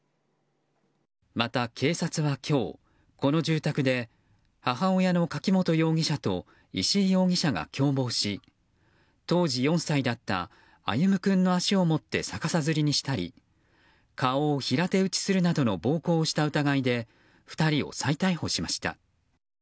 また警察は今日、この住宅で母親の柿本容疑者と石井容疑者が共謀し当時４歳だった歩夢君の足を持って、逆さづりにしたり顔を平手打ちするなどの暴行をするなどの疑いで２人を再逮捕しました。